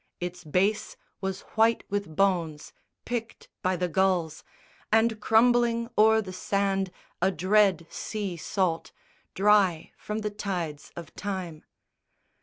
Its base was white with bones Picked by the gulls, and crumbling o'er the sand A dread sea salt, dry from the tides of time.